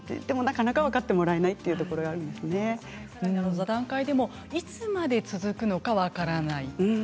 でもなかなか分かってもらえない座談会でもいつまで続くのか分からない。